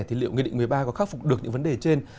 thì liệu nghị định một mươi ba có khắc phục được những vấn đề trên